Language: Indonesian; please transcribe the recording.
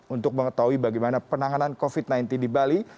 untuk mengetahui bagaimana penanganan covid sembilan belas di bali